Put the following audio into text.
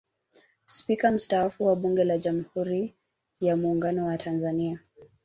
Spika mstaafu wa Bunge la Jamhuri ya Muungano wa Tanzania